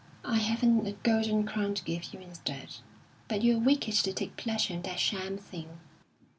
I haven't a golden crown to give you instead, but you're wicked to take pleasure in that sham thing.'